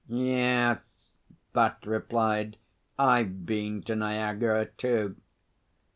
'Yes,' Bat replied. 'I've been to Niagara, too.